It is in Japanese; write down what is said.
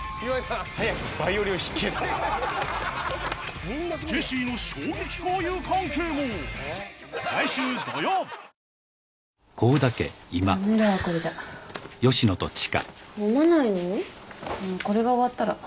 んーこれが終わったら。